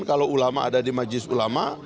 kalau ulama ada di majlis ulama